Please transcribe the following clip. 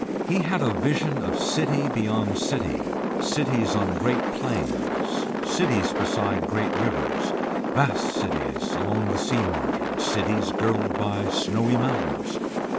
He had a vision of city beyond city; cities on great plains, cities beside great rivers, vast cities along the sea margin, cities girdled by snowy mountains.